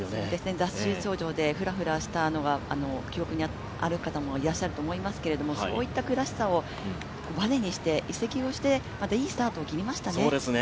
脱水症状でふらふらしたのが記憶にある方もいらっしゃると思いますけどそういった悔しさをバネにして、移籍をしてまたいいスタートを切りましたね。